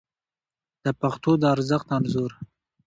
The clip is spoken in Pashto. د پښتو د ارزښت انځور